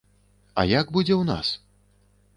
А як будзе ў нас?